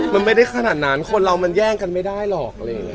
มันไม่ได้ขนาดนั้นคนเรามันแย่งกันไม่ได้หรอกเลยนะครับ